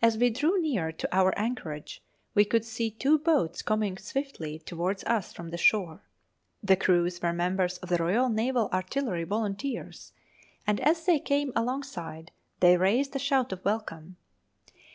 As we drew near to our anchorage we could see two boats coming swiftly towards us from the shore. The crews were members of the Royal Naval Artillery Volunteers, and as they came alongside they raised a shout of welcome.